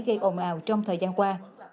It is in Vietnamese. gây ồn ào trong thời gian qua